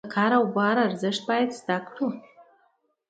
د کار او زیار ارزښت باید زده کړو.